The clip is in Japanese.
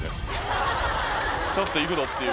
ちょっと行くぞっていう。